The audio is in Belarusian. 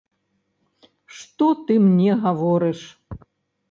Што ты мне гаворыш?